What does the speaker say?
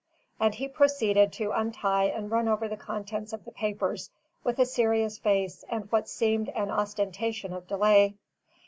And he proceeded to untie and run over the contents of the papers, with a serious face and what seemed an ostentation of delay.